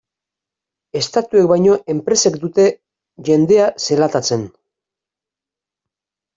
Estatuek baino, enpresek dute jendea zelatatzen.